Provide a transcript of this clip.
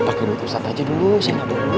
pakai duit ustazah aja dulu saya nggak mau duit